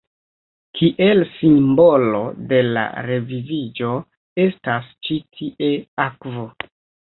Kiel simbolo de la reviviĝo estas ĉi tie akvo.